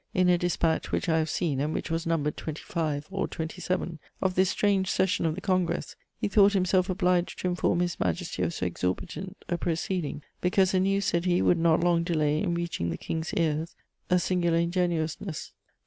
(in a despatch which I have seen and which was numbered 25 or 27) of this strange session of the Congress; he thought himself obliged to inform His Majesty of so exorbitant a proceeding, because this news, said he, would not long delay in reaching the King's ears: a singular ingenuousness for M.